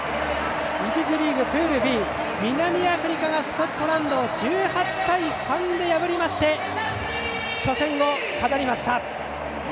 １次リーグ、プールＢ南アフリカがスコットランドを１８対３で破りまして初戦を飾りました。